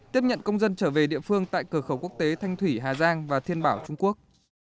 tiếp nhận công dân trở về địa phương tại cửa khẩu quốc tế thanh thủy hà giang và thiên bảo trung quốc